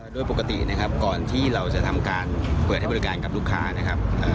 โดยปกตินะครับก่อนที่เราจะทำการเปิดให้บริการกับลูกค้านะครับ